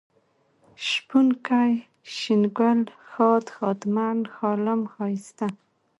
شپونکی ، شين گل ، ښاد ، ښادمن ، ښالم ، ښايسته